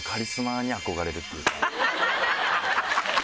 ハハハハ！